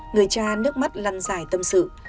người cha nước mắt lăn dài tâm sự